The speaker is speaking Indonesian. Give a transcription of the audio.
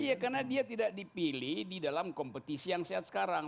iya karena dia tidak dipilih di dalam kompetisi yang sehat sekarang